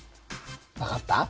分かった？